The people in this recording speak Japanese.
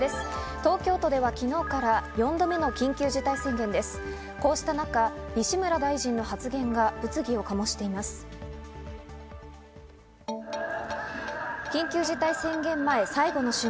東京都では今日から４度目の緊急事態宣言。